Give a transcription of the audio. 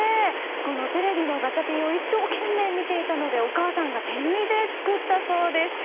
このテレビのガチャピンを一生懸命見ていたのでお母さんが手縫いで作ったそうです。